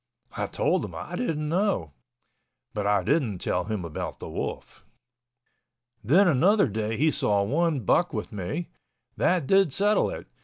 I told him I didn't know—but I didn't tell him about the wolf. Then another day he saw one buck with me—that did settle it.